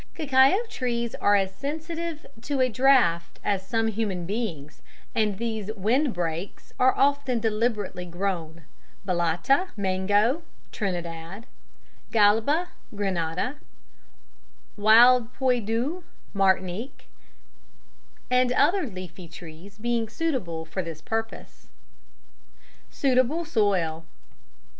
Cacao trees are as sensitive to a draught as some human beings, and these "wind breaks" are often deliberately grown Balata, Poui, Mango (Trinidad), Galba (Grenada), Wild Pois Doux (Martinique), and other leafy trees being suitable for this purpose. _Suitable Soil.